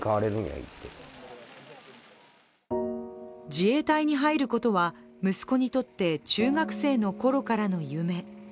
自衛隊に入ることは、息子にとって中学生のころからの夢。